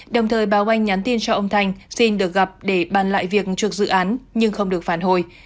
đồng thời báo oanh nhắn tin cho ông thanh xin được gặp để bàn lại việc chuộc dự án nhưng không được phản hồi